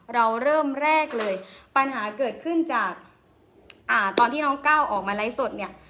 เราเริ่มแรกเลยปัญหาเกิดขึ้นจากตอนที่น้องก้าวออกมาไลฟ์สดเนี่ย